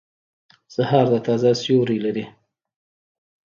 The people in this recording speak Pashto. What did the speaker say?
سهار د تازه سیوری لري.